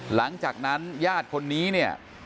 หลังจากนั้นญาติคนนี้เนี่ย